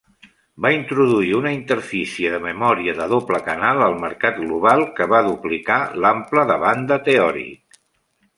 Va introduir una interfície de memòria de doble canal al mercat global que va duplicar l'ample de banda teòric.